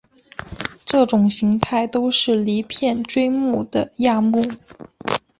这种形态都是离片锥目的亚目。